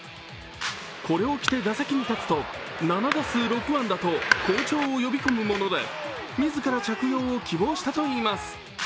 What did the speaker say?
これを着て打席に立つと７打数６安打と好調を呼び込むもので、自ら着用を希望したといいます。